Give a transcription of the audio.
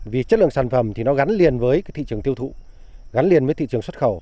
vì chất lượng sản phẩm thì nó gắn liền với thị trường tiêu thụ gắn liền với thị trường xuất khẩu